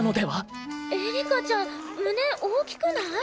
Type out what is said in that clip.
エリカちゃん胸大きくない？